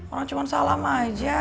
orang cuma salam aja